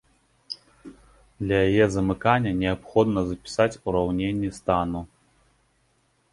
Для яе замыкання неабходна запісаць ураўненні стану.